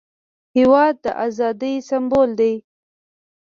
هېواد د ازادۍ سمبول دی.